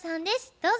どうぞ。